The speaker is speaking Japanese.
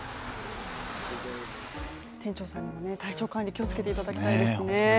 店長さんにも体調管理、気をつけていただきたいですね。